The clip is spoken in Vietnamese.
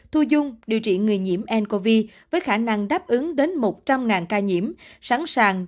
thu dung điều trị người nhiễm ncov với khả năng đáp ứng đến một trăm linh ca nhiễm sẵn sàng